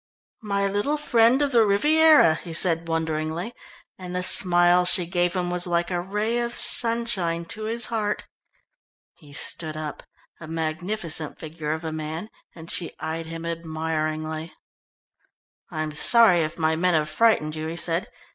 "My little friend of the Riviera," he said wonderingly, and the smile she gave him was like a ray of sunshine to his heart. He stood up, a magnificent figure of a man, and she eyed him admiringly. "I am sorry if my men have frightened you," he said.